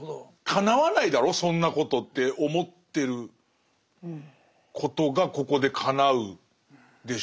かなわないだろそんなことって思ってることがここでかなうんでしょうね。